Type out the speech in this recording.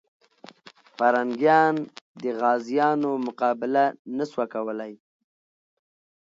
پرنګیان د غازيانو مقابله نه سوه کولای.